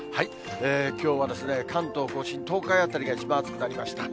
きょうは関東甲信、東海辺りが一番暑くなりました。